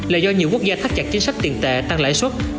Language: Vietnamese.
là do nhiều quốc gia thắt chặt chính sách tiền tệ tăng lãi suất